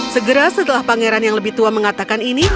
segera setelah pangeran yang lebih tua mengatakan ini